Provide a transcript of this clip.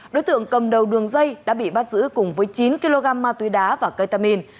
đối tượng cầm đầu đường dây đã bị bắt giữ cùng với chín kg ma túy đá và ketamin